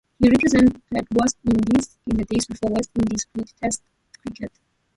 He represented West Indies in the days before West Indies played Test cricket.